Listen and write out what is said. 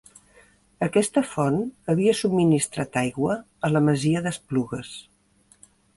Aquesta font havia subministrat aigua a la masia d'Esplugues.